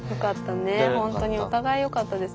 ほんとにお互いよかったです。